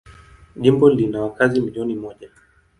Jimbo lina wakazi milioni moja.